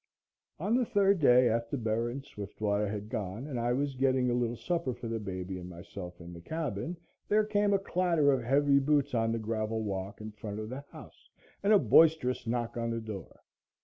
On the third day after Bera and Swiftwater had gone and I was getting a little supper for the baby and myself in the cabin, there came a clatter of heavy boots on the gravel walk in front of the house and a boisterous knock on the door.